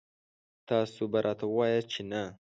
تاسو به راته وواياست چې نه.